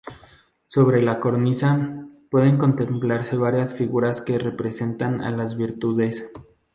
Sobre la cornisa, pueden contemplarse varias figuras que representan a las virtudes.